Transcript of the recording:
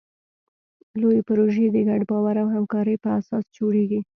لویې پروژې د ګډ باور او همکارۍ په اساس جوړېږي.